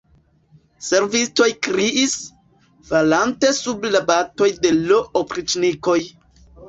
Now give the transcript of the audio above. Servistoj kriis, falante sub la batoj de l' opriĉnikoj.